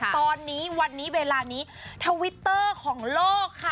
ตอนนี้วันนี้เวลานี้ทวิตเตอร์ของโลกค่ะ